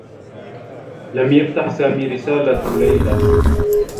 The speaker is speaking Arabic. لم يفتح سامي رسالة ليلى.